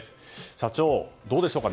社長、どうでしょうか